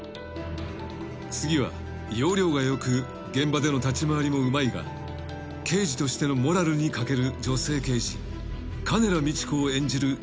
［次は要領が良く現場での立ち回りもうまいが刑事としてのモラルに欠ける女性刑事］